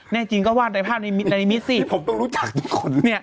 แน่จริงก็วาดในภาพในนิมิตรสิ